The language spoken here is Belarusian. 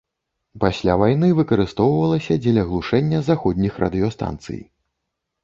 Пасля вайны выкарыстоўвалася дзеля глушэння заходніх радыёстанцый.